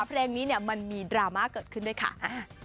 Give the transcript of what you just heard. เพลงนี้เนี่ยมันมีดราม่าเกิดขึ้นด้วยค่ะ